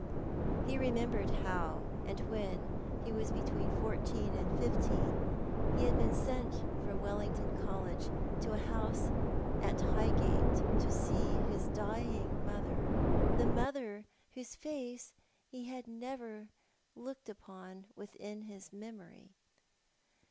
He remembered how when he was between fourteen and fifteen he had been sent from Wellington College to a house at Highgate to see his dying mother, the mother whoso face he had never looked upon within his memory.